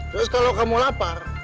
terus kalau kamu lapar